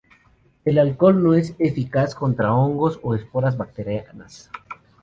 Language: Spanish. El alcohol no es eficaz contra hongos o esporas bacterianas.